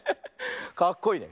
かっこいいね。